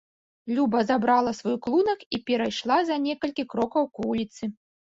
Люба забрала свой клунак і перайшла за некалькі крокаў к вуліцы.